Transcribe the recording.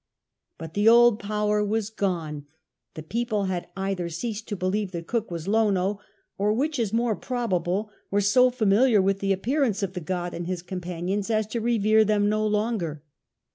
But the old power was gone ; the people had either ceased to believe that Cook was Lono, or, which is more probable, were so familiar with the ap})carance of the god and his companions as to revere them no longer.